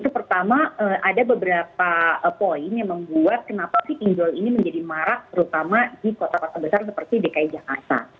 pertama ada beberapa poin yang membuat kenapa sih pinjol ini menjadi marak terutama di kota kota besar seperti dki jakarta